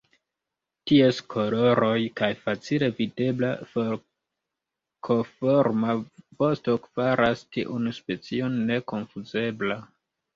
Ties koloroj kaj facile videbla forkoforma vosto faras tiun specion nekonfuzebla.